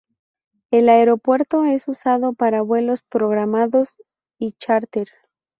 El aeropuerto es usado para vuelos programados y chárter.